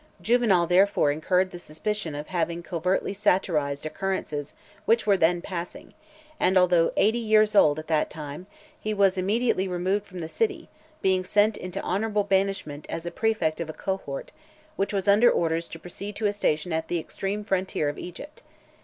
Juvenal therefore incurred the suspicion of having covertly satirized occurrences which were then passing, and, although eighty years old at that time , he was immediately removed from the city, being sent into honourable banishment as praefect of a cohort, which was under orders to proceed to a station at the extreme frontier of Egypt .